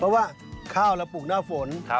เพราะว่าข้าวเราปลูกหน้าฝน